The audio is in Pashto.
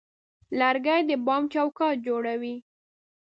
لرګی د بام چوکاټ جوړوي.